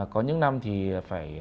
có những năm thì phải